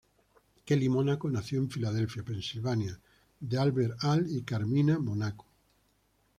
Kelly Monaco nació en Filadelfia, Pensilvania de Albert "Al" y Carmina Monaco.